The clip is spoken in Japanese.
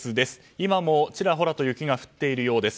今もちらほらと雪が降っているようです。